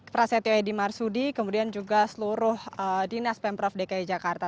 prasetyo edy marsudi kemudian juga seluruh dinas pemprov dki jakarta